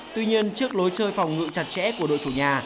tuy nhiên trước lối chơi phòng ngự chặt chẽ của đội chủ nhà